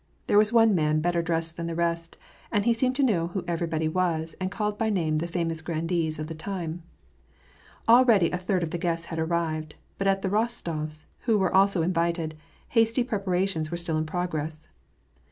There was one man, better dressed than the rest, and he seemed to know who everybody was, and called by name the famous grandees of the time. Already a third of the guests had arrived ; but at the Ros tofs', who were also invited, hasty preparations were still in progress.